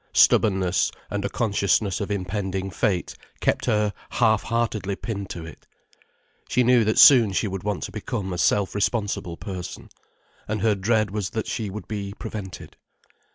Stubbornness and a consciousness of impending fate kept her half heartedly pinned to it. She knew that soon she would want to become a self responsible person, and her dread was that she would be prevented.